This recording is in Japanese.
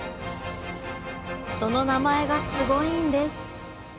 その名前がすごいんです！